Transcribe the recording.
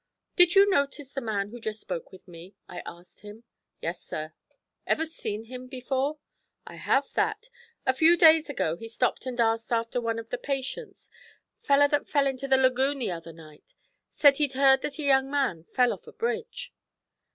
'Did you notice the man who just spoke with me?' I asked him. 'Yes, sir.' 'Ever see him before?' 'I have that. A few days ago he stopped and asked after one of the patients feller that fell into the lagoon the other night. Said he'd heard that a young man fell off a bridge.'